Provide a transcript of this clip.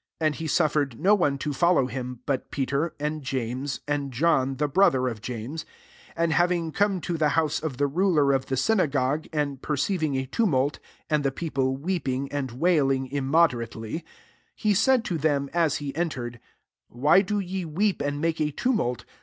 '* 37 And he suf fered no one to follow him, but Peter, and James, and John the brother of James. 38 And hav ing come to the house of the ruler of the synagogue, and perceiving a tumult, and the people weeping and wailing im moderately, 39 he said to diem as he entered, *' Why do ye weep and make a tumult